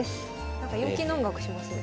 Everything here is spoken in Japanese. なんか陽気な音楽しますね。